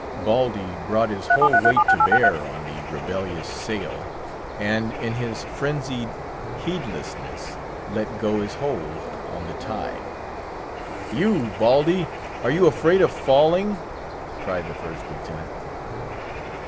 Baldy brought his whole weight to bear on the rebellious sail, and in his frenzied heedlessness let go his hold on the tie. "You, Baldy! are you afraid of falling?" cried the First Lieutenant.